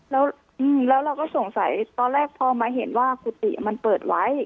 แล้วเราก็สงสัยตอนแรกพอมาเห็นว่ากุฏิมันเปิดไว้